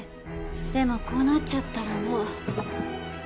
でもこうなっちゃったらもう。